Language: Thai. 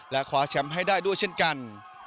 และคว้าแชมป์ให้ได้ด้วยเช่นกัน